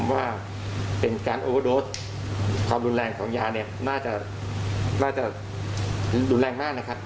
ผมว่าเป็นการโอเวอร์โดสความรุนแรงของยาน่าจะรุนแรงมาก